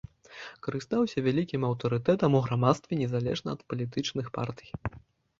Карыстаўся вялікім аўтарытэтам у грамадстве, незалежна ад палітычных партый.